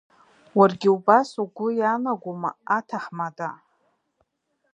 Уаргьы убас угәы иаанагоума аҭаҳмада?